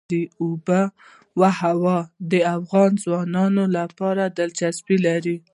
آب وهوا د افغان ځوانانو لپاره دلچسپي لري.